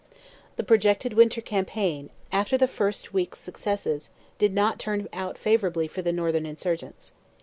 The projected winter campaign, after the first week's successes, did not turn out favourably for the northern Insurgents.